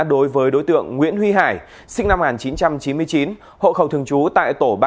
đối với đối tượng nguyễn huy hải sinh năm một nghìn chín trăm chín mươi chín hộ khẩu thường trú tại tổ ba